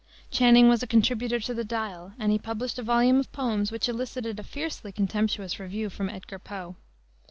Channing was a contributor to the Dial, and he published a volume of poems which elicited a fiercely contemptuous review from Edgar Poe.